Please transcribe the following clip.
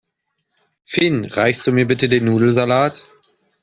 Finn, reichst du mir bitte den Nudelsalat?